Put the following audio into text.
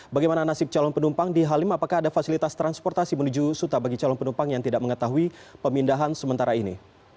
bagaimana nasib calon penumpang di halim apakah ada fasilitas transportasi menuju suta bagi calon penumpang yang tidak mengetahui pemindahan sementara ini